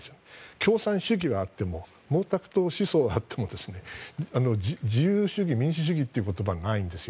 共産主義はあっても毛沢東思想はあっても自由主義、民主主義という言葉はないんですよ。